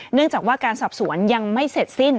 เนื่องจากว่าการสอบสวนยังไม่เสร็จสิ้น